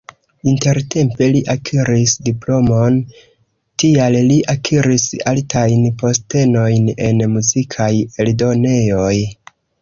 Intertempe li akiris diplomon, tial li akiris altajn postenojn en muzikaj eldonejoj.